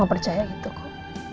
mama percaya gitu kok